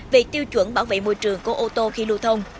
về tiêu chuẩn bảo vệ môi trường của ô tô khi lưu thông